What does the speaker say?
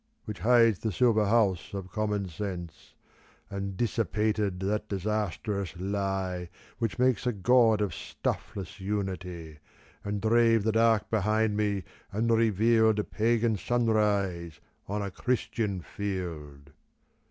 Which hides the silver house of Commonsense, And dissipated that disastrous lie Which makes a god of stuffless Unity, And drave the dark behind me, and revealed A Pagan sunrise on a Christian field.